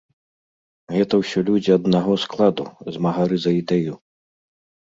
Гэта ўсё людзі аднаго складу, змагары за ідэю.